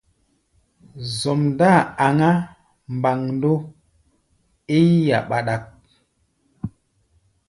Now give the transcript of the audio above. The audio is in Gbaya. Zɔm-dáa aŋá mbandɔ é yí-a ɓaɗak.